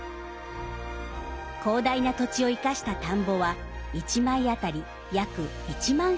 広大な土地を生かした田んぼは１枚あたり約１万平方メートル。